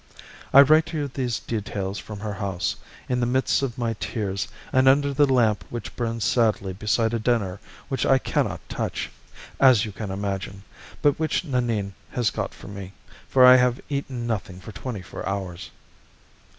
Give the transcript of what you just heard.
I write you these details from her house, in the midst of my tears and under the lamp which burns sadly beside a dinner which I can not touch, as you can imagine, but which Nanine has got for me, for I have eaten nothing for twenty four hours.